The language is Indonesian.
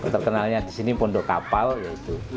terkenalnya di sini pondok kapal yaitu